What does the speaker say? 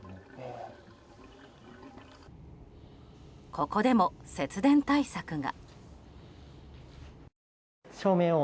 ここでも節電対策が。